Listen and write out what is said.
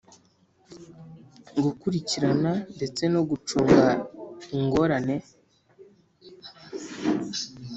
gukurikirana ndetse no gucunga ingorane